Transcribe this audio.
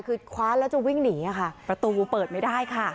คือคว้าแล้วจะวิ่งหนีค่ะประตูเปิดไม่ได้ค่ะ